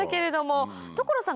所さん